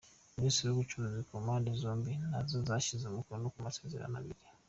Ministeri z’ubucuruzi ku mpande zombi nazo zashyize umukono ku masezerano abiri:.